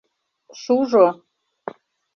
Шужо...